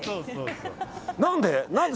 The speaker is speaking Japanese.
何で？